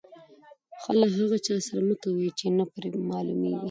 ښه له هغه چا سره مه کوئ، چي نه پر معلومېږي.